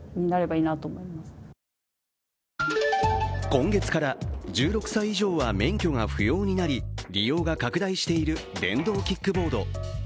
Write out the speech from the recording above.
今月から１６歳以上は免許が不要となり利用が拡大している電動キックボード。